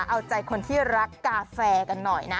เอาใจคนที่รักกาแฟกันหน่อยนะ